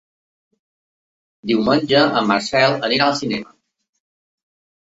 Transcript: Diumenge en Marcel anirà al cinema.